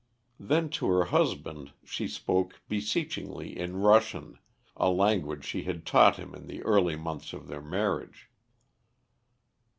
Then to her husband she spoke beseechingly in Russian, a language she had taught him in the early months of their marriage.